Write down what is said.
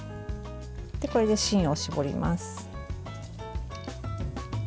これで芯を搾ります。